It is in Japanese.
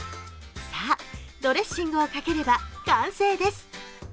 さあ、ドレッシングをかければ完成です。